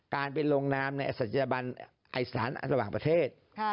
๒การเป็นลงนามในอัศจรรยาบรรณไอศาลอระหว่างประเทศ